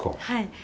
はい。